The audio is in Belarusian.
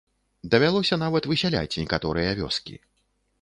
Давялося нават высяляць некаторыя вёскі.